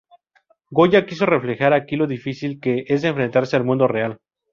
Goya quiso reflejar aquí lo difícil que es enfrentarse al mundo real.